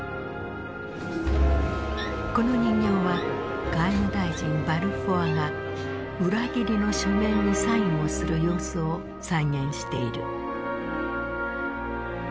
この人形は外務大臣バルフォアが裏切りの書面にサインをする様子を再現している。